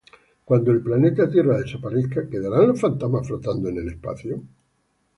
Cuando el planeta Tierra desaparezca, ¿quedarán los fantasmas flotando en el espacio?